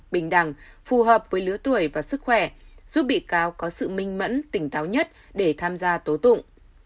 bình đẳng phù hợp với lứa tuổi và sức khỏe giúp bị cáo có sự minh mẫn tỉnh táo nhất để tham gia tố tụng